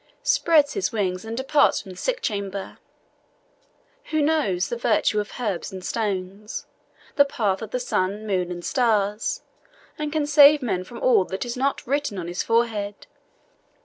] spreads his wings and departs from the sick chamber; who knows the virtues of herbs and stones, the path of the sun, moon, and stars, and can save man from all that is not written on his forehead.